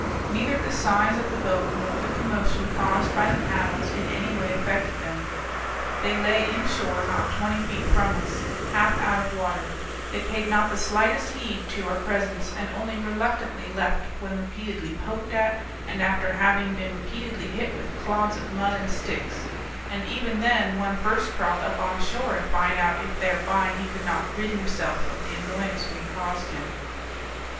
Neither the size of the boat nor the commotion caused by the paddles in any way affected them. They lay inshore, not twenty feet from us, half out of water; they paid not the slightest heed to our presence, and only reluctantly left when repeatedly poked at, and after having been repeatedly hit with clods of mud and sticks; and even then one first crawled up on shore, to find out if thereby he could not rid himself of the annoyance we caused him.